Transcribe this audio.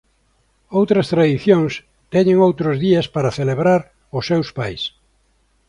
Outras tradicións teñen outros días para celebrar os seus pais.